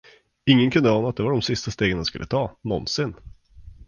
Ingen kunde ana att det var de sista stegen han skulle ta, någonsin.